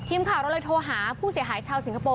ทีมข่าวเราเลยโทรหาผู้เสียหายชาวสิงคโปร์